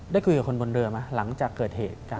ได้คุยกับคนบนเรือไหมหลังจากเกิดเหตุการณ์